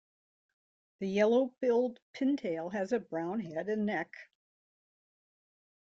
The yellow-billed pintail has a brown head and neck.